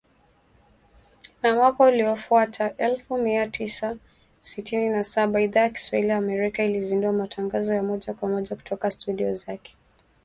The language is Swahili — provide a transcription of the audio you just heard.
Na mwaka uliofuata, elfu mia tisa sitini na saba, Idhaa ya Kiswahili ya Sauti ya Amerika ilizindua matangazo ya moja kwa moja kutoka studio zake mjini Washington dc